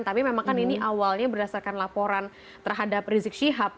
tapi memang kan ini awalnya berdasarkan laporan terhadap rizik syihab